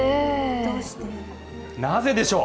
なぜでしょう。